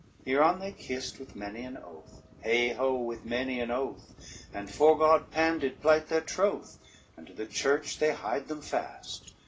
Hereon they kissed with many an oath, heigh ho, with many an oath! And fore God Pan did plight their troth, and to the church they hied them fast.